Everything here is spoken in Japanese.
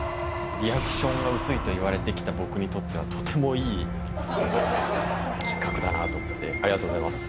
リアクションが薄いといわれてきた僕にとってはとてもいい企画だなと思って、ありがとうございます。